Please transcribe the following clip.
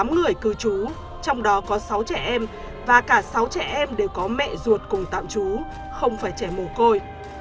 tám người cư trú trong đó có sáu trẻ em và cả sáu trẻ em đều có mẹ ruột cùng tạm trú không phải trẻ mồ côi